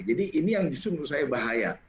jadi ini yang justru menurut saya bahaya